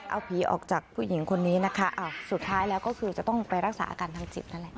เอาผีออกจากผู้หญิงคนนี้นะคะสุดท้ายแล้วก็คือจะต้องไปรักษาอาการทางจิตนั่นแหละ